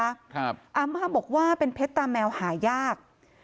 อาม่าบอกว่าเป็นเพชรตาแมวหายาก